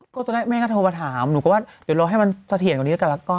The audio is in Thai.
เธอจะมาแม่ก็โทรมาถามหนูก็ว่าเดี๋ยวรอให้มันสเถียนทีกว่านี้กลับ